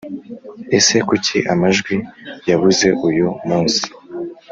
ese kuki amajwi yabuze uyu munsi